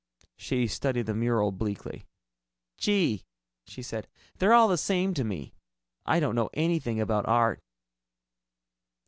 She studied the mural bleakly. "Gee," she said, "they're all the same to me. I don't know anything about art."